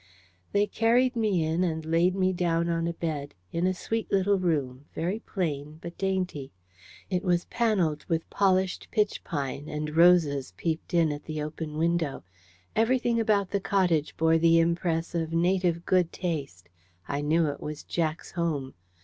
They carried me in, and laid me down on a bed, in a sweet little room, very plain but dainty. It was panelled with polished pitchpine, and roses peeped in at the open window. Everything about the cottage bore the impress of native good taste. I knew it was Jack's home.